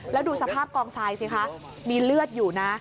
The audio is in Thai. แล้วดูสภาพกองทรายสิคะมีเลือดอยู่นะ